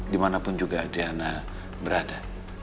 dimanapun juga adriana berada